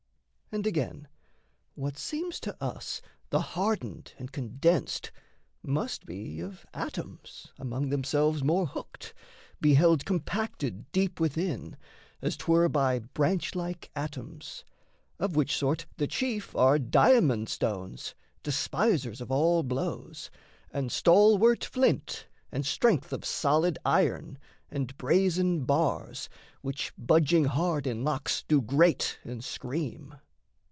And, again, What seems to us the hardened and condensed Must be of atoms among themselves more hooked, Be held compacted deep within, as 'twere By branch like atoms of which sort the chief Are diamond stones, despisers of all blows, And stalwart flint and strength of solid iron, And brazen bars, which, budging hard in locks, Do grate and scream.